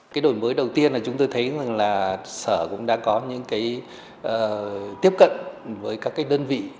cái đổi mới đầu tiên là chúng tôi thấy rằng là sở cũng đã có những cái tiếp cận với các cái đơn vị